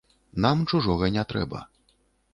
Нам чужога не трэба.